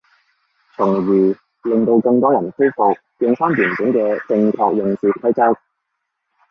從而令到更多人恢復用返原本嘅正確用字規則